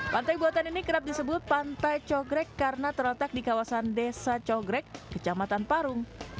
pantai buatan ini kerap disebut pantai cogrek karena terletak di kawasan desa cogrek kecamatan parung